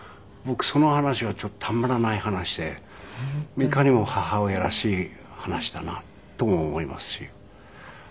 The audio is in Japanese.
僕その話がちょっとたまらない話でいかにも母親らしい話だなとも思いますし。